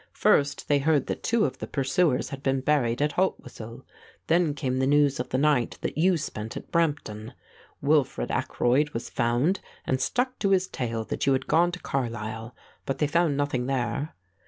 First they heard that two of the pursuers had been buried at Haltwhistle. Then came the news of the night that you spent at Brampton. Wilfred Ackroyd was found and stuck to his tale that you had gone to Carlisle, but they found nothing there."